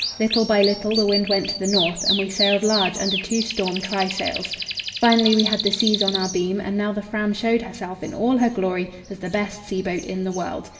Little by little the wind went to the north, and we sailed large under two storm trysails. Finally, we had the seas on our beam, and now the Fram showed herself in all her glory as the best sea boat in the world.